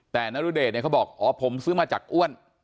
แต่นรุเดชเนี่ยเขาบอกอ๋อผมซื้อมาจากอ้วน